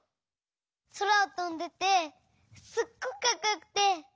そらをとんでてすっごくかっこよくて。